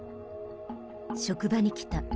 職場に来た。